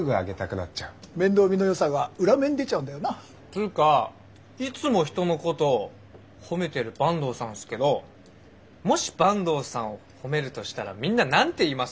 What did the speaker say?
つうかいつも人のこと褒めてる坂東さんっすけどもし坂東さんを褒めるとしたらみんな何て言います？